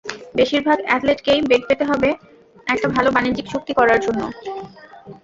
বেশির ভাগ অ্যাথলেটকেই বেগ পেতে হবে একটা ভালো বাণিজ্যিক চুক্তি করার জন্য।